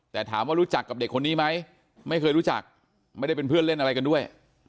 แต่ถามว่ารู้จักกับเด็กคนนี้ไหมไม่เคยรู้จักไม่ได้เป็นเพื่อนเล่นอะไรกันด้วย